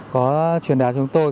có truyền đạt cho chúng tôi